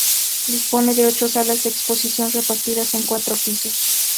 Dispone de ocho salas de exposición repartidas en cuatro pisos.